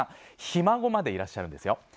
ひ孫までいらっしゃるんですね。